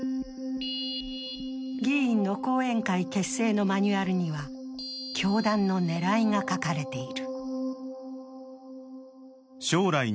議員の後援会結成のマニュアルには教団の狙いが書かれている。